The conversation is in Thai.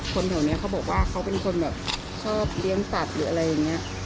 คนแถวนี้เขาบอกว่าเขาเป็นคนแบบชอบเลี้ยงสัตว์หรืออะไรอย่างนี้